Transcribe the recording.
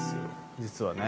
実はね。